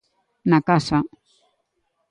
Na casa.